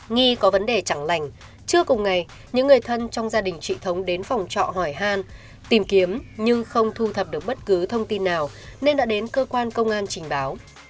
nghi có vấn đề chẳng lành chưa cùng ngày những người thân trong gia đình chị thống đến phòng trọ hỏi hàn tìm kiếm nhưng không thu thập được bất cứ thông tin nào nên đã đến cơ quan công an trình báo